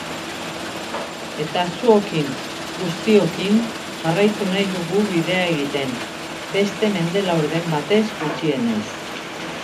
Eta zuokin guztiokin jarraitu nahi dugu bidea egiten, beste mende laurden batez gutxienez.